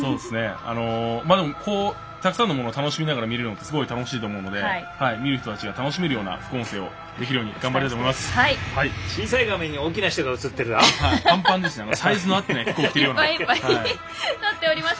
たくさんのものを楽しみながら見るのってすごく楽しいと思うので見る人たちが楽しめるような副音声をできるように頑張ります。